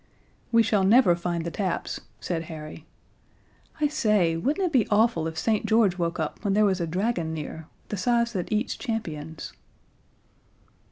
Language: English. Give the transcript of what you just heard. "We shall never find the taps," said Harry. "I say, wouldn't it be awful if St. George woke up when there was a dragon near, the size that eats champions?"